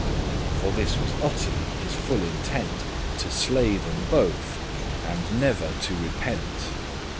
(bad) life* For this was utterly his full intent To slay them both, and never to repent.